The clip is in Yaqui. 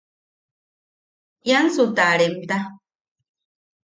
Iansu ta remta.